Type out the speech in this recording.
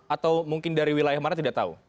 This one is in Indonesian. atau mungkin dari wilayah mana tidak tahu